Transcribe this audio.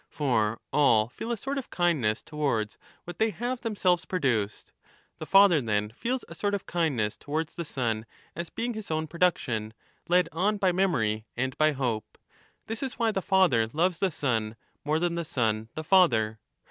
For all feel a sort 35 of kindness towards what they have themselves produced. The father, then, feels a sort of kindness towards the son as being his own production, led on by memory and by hope. This is why the father loves the son more than the son the father.